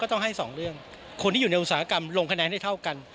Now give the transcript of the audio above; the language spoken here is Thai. ต้องให้สองเรื่องคนที่อยู่ในอุตสาหกรรมลงคะแนนให้เท่ากัน